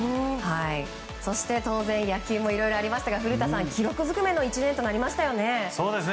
そして、当然、野球もいろいろありましたが古田さん記録ずくめの１年でしたね。